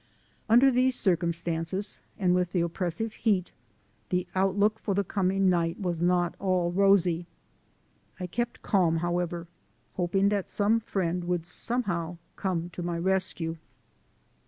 Under these circumstances, and with the oppressive heat, the outlook for the coming night was not at all rosy. I kept calm, however, hoping that some friend would somehow come to my rescue.